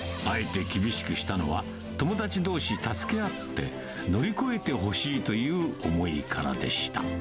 あえて厳しくしたのは、友達どうし助け合って乗り越えてほしいという思いからでした。